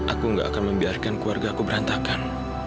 aku gak akan membiarkan keluarga aku berantakan